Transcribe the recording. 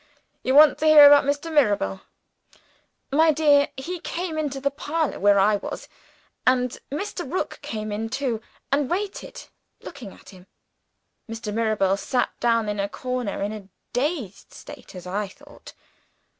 You want to hear about Mr. Mirabel? My dear, he came into the parlor where I was; and Mr. Rook came in too and waited, looking at him. Mr. Mirabel sat down in a corner, in a dazed state as I thought.